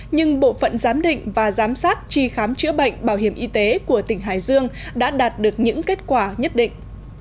nhưng bộ phận giám định và giám sát tri khám chữa bệnh bảo hiểm y tế của tỉnh hải dương đã đạt được những kết quả nhất định